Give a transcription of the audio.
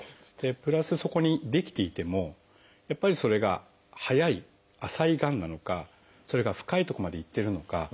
プラスそこに出来ていてもやっぱりそれが早い浅いがんなのかそれが深い所までいってるのか。